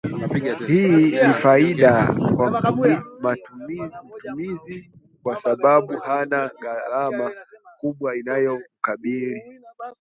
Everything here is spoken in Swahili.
hii ni faida kwa mtumizi kwa sababu hana gharama kubwa inayomkabili